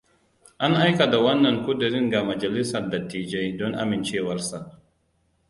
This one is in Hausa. An aika da wannan kudirin ga majalisar dattijai don amincewarsa.